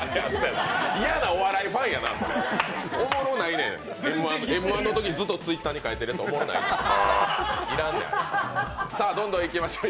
嫌なお笑いファンやな、おもろないねん、「Ｍ−１」のときずっとＴｗｉｔｔｅｒに書いてるやつ、おもろないねん。